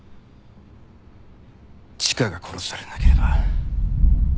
チカが殺されなければ。